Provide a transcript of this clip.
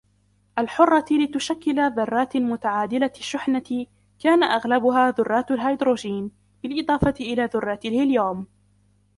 الحرة لتشكل ذرات متعادلة الشحنة كان أغلبها ذرات الهيدروجين بالإضافة إلى ذرات الهيليوم